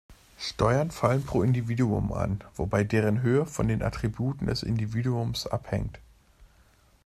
Steuern fallen pro Individuum an, wobei deren Höhe von den Attributen des Individuums abhängt.